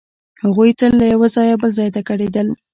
هغوی تل له یوه ځایه بل ځای ته کډېدل.